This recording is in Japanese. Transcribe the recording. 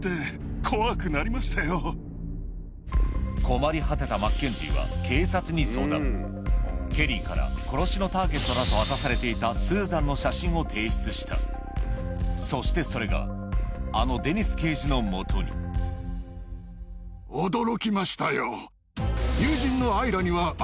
困り果てたケリーから殺しのターゲットだと明かされていたスーザンの写真を提出したそしてそれがあのデニス刑事のもとに友人の。